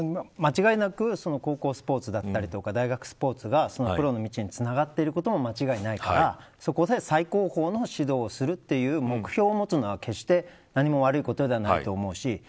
間違いなく、高校スポーツや大学スポーツがプロの道につながっていることも間違いないからそこで最高峰の指導をするという目標を持つのは決して何も悪いことではないと思うし。